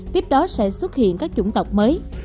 tiếp đó sẽ xuất hiện các chủng tộc mới